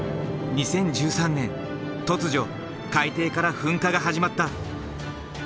２０１３年突如海底から噴火が始まった。